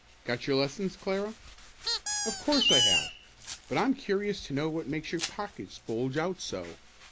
"Got your lessons, Clara?" "Of course I have. But I'm curious to know what makes your pockets bulge out so.